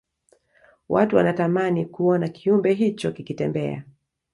watu wanatamani kuona kiumbe hicho kikitembea